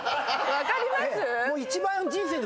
⁉分かります